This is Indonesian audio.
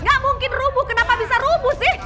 gak mungkin rubuh kenapa bisa rubuh sih